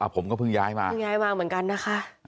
ผมก็เพิ่งย้ายมาเพิ่งย้ายมาเหมือนกันนะคะ